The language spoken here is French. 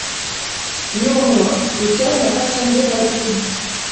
Néanmoins, l'auteur n'a pas sombré dans la folie.